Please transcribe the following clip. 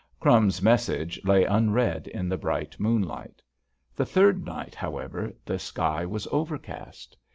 "Crumbs's" message lay unread in the bright moonlight. The third night, however, the sky was overcast.